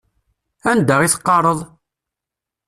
Anda i teqqareḍ?